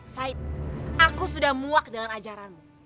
said aku sudah muak dalam ajaranmu